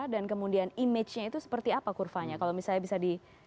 dan kemudian image nya itu seperti apa kurvanya kalau misalnya bisa diunjukkan sekarang